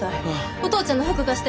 お父ちゃんの服貸して。